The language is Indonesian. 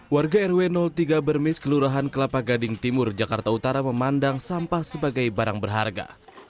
warga rw tiga bermis kelurahan kelapa gading timur jakarta utara memandang sampah sebagai barang berharga